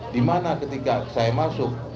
dimana ketika saya masuk